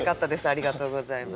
ありがとうございます。